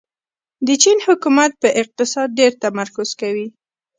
د چین حکومت په اقتصاد ډېر تمرکز کوي.